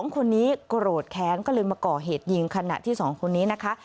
๒คนนี้โกรธแค้นก็เลยมาก่อเหตุยิงขณะที่๒คนนี้นะคะ